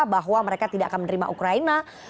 bahwa mereka tidak akan menerima ukraina